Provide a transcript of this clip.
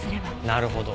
なるほど。